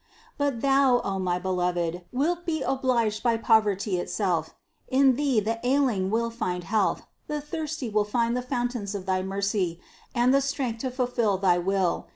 But Thou, O my Beloved, wilt be obliged by poverty itself : in Thee the ailing will find health, the thirsty will find the fountains of thy mercy, and the strength to fulfill thy will.